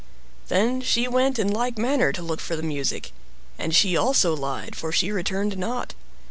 Then she went in like manner to look for the music. And she also lied, for she returned not.